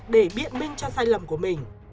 để biện minh cho sai lầm của mình